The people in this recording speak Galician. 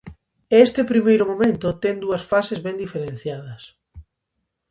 E este primeiro momento ten dúas fases ben diferenciadas.